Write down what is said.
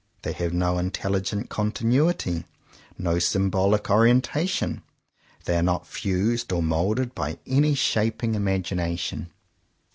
They have no intelligent continuity, no symbolic orienta tion. They are not fused or moulded by any shaping imagination.